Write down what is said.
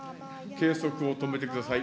計測を止めてください。